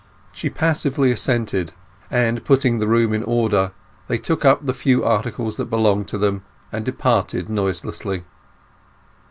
She passively assented, and putting the room in order, they took up the few articles that belonged to them, and departed noiselessly.